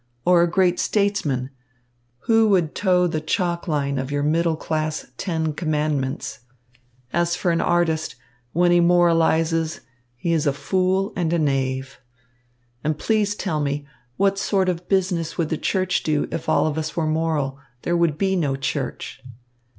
Or a great statesman, who would toe the chalk line of your middle class ten commandments? As for an artist, when he moralises, he is a fool and a knave. And please tell me, what sort of a business would the church do if all of us were moral? There would be no church."